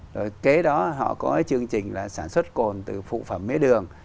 rồi kế đó họ có chương trình là sản xuất cồn từ phụ phẩm mía đường